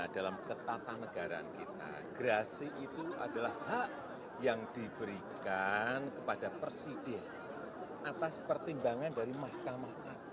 dalam ketatanegaraan kita gerasi itu adalah hak yang diberikan kepada presiden atas pertimbangan dari mahkamah